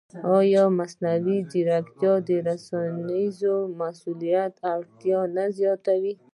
ایا مصنوعي ځیرکتیا د رسنیز مسؤلیت اړتیا نه زیاتوي؟